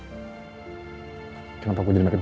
gak penting makin kesel ya sama nino